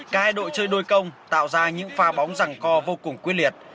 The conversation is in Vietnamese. cái đội chơi đôi công tạo ra những pha bóng rẳng co vô cùng quyết liệt